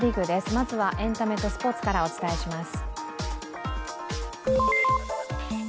まずはエンタメとスポーツからお伝えします。